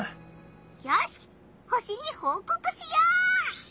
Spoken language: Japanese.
よし星にほうこくしよう！